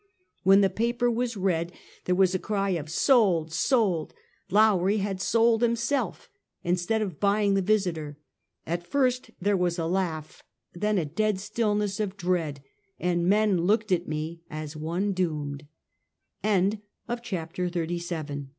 When the paper was read, there was a cry of " Sold ! Sold! Lowrie had sold himself instead of buying the Visiter." At first there was a laugh, then a dead stillness of dread, and men looked at me as one do